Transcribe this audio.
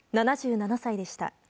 ７７歳でした。